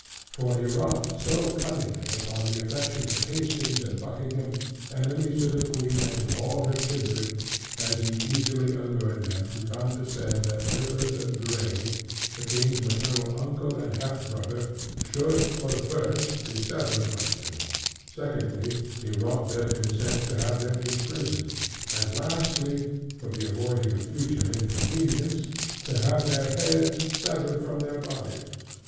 For he wrought so cunningly upon the affections of Hastings and Buckingham, enemies to the Queen and to all her kindred, as he easily allured them to condescend, that Rivers and Grey, the King's maternal uncle and half brother, should (for the first) be severed from him: secondly, he wrought their consent to have them imprisoned: and lastly (for the avoiding of future inconvenience) to have their heads severed from their bodies.